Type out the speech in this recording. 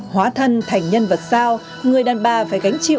hóa thân thành nhân vật sao người đàn bà phải gánh chịu